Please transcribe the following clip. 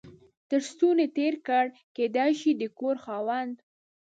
تر ستوني تېر کړ، کېدای شي د کور خاوند.